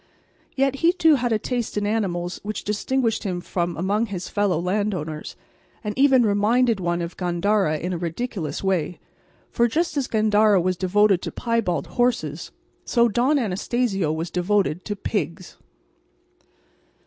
Yet he too had a taste in animals which distinguished him among his fellow landowners, and even reminded one of Gandara in a ridiculous way. For just as Gandara was devoted to piebald horses, so Don Anastacio was devoted to pigs.